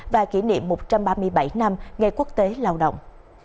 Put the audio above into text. và kỷ niệm một trăm ba mươi bảy năm ngày quốc tế lao động